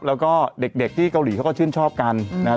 แล้วก็เด็กที่เกาหลีเขาก็ชื่นชอบกันนะครับ